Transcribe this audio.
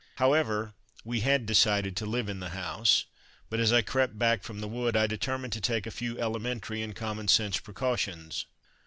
However, we had decided to live in the house, but as I crept back from the wood, I determined to take a few elementary and common sense precautions.